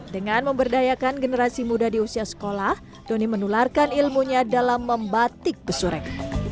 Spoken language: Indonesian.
dengan memberdayakan generasi muda di usia sekolah doni menularkan ilmunya dalam membatik besurek